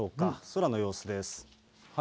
空の様子です。